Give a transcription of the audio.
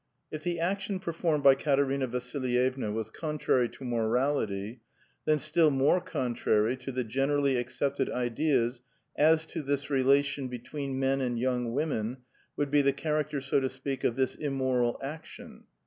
If the action performed hy Katerina Vasilyevna was contrary to morality, then still more contrary to the generally accepted ideas as to the rela tions between men and young women, would be the charac t(»r, so to si'Kjak, of this immoral action.